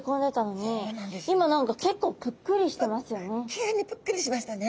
急にぷっくりしましたね。